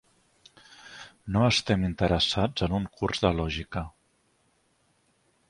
No estem interessats en un curs de lògica.